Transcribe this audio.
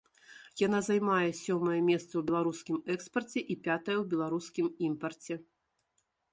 Яна займае сёмае месца ў беларускім экспарце і пятае ў беларускім імпарце.